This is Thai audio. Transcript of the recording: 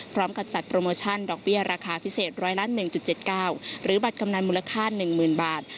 พร้อมกับจัดโปรโมชั่นดอกเบี้ยราคาพิเศษร้อยละหนึ่งจุดเจ็ดเก้าหรือบัตรกำนานมูลค่าหนึ่งหมื่นบาท